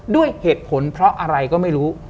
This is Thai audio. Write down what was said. ด้วยเหตุผลเพราะอะไรก็ไม่รู้